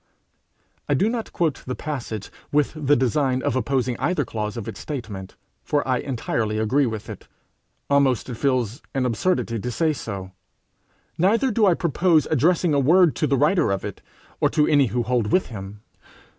I do not quote the passage with the design of opposing either clause of its statement, for I entirely agree with it: almost it feels an absurdity to say so. Neither do I propose addressing a word to the writer of it, or to any who hold with him.